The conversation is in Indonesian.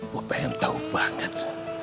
gua pengen tahu banget